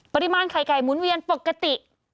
ปริมาณไข่ไก่หมุนเวียนปกติ